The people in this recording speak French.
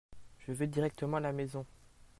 Je vais directement à la maison.